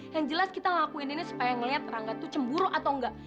yang jelas kita ngakuin ini supaya ngeliat rangga tuh cemburu atau enggak